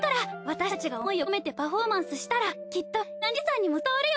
私たちが思いを込めてパフォーマンスしたらきっとにゃんじいさんにも伝わるよ！